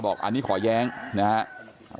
วันปลาบอกขอย้างนะครับ